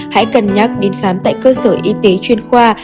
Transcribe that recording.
hãy cân nhắc đến khám tại cơ sở y tế chuyên khoa